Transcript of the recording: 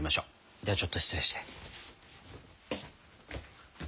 ではちょっと失礼して。